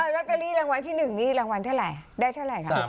ลอตเตอรี่รางวัลที่๑นี่รางวัลเท่าไหร่ได้เท่าไหร่คะ